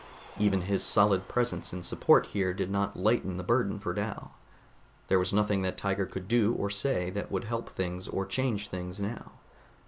Even his solid presence in support here did not lighten the burden for Dal. There was nothing that Tiger could do or say that would help things or change things now.